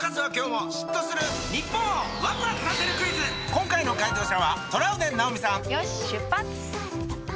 今回の解答者はトラウデン直美さんよし出発！